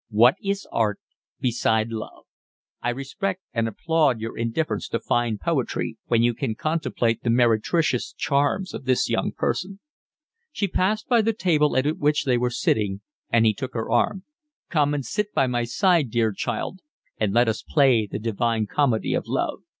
What is art beside love? I respect and applaud your indifference to fine poetry when you can contemplate the meretricious charms of this young person." She passed by the table at which they were sitting, and he took her arm. "Come and sit by my side, dear child, and let us play the divine comedy of love."